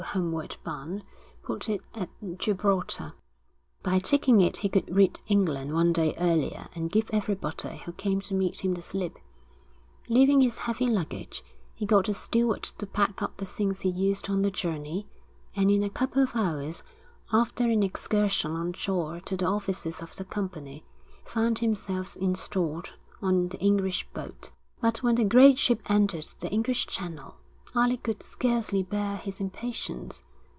homeward bound, put in at Gibraltar. By taking it he could reach England one day earlier and give everyone who came to meet him the slip. Leaving his heavy luggage, he got a steward to pack up the things he used on the journey, and in a couple of hours, after an excursion on shore to the offices of the company, found himself installed on the English boat. But when the great ship entered the English Channel, Alec could scarcely bear his impatience.